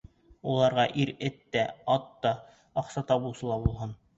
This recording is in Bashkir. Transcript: Уларға ир эт тә, ат та, аҡса табыусы ла булһын.